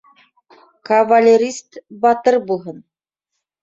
Кавалерист батыр булһын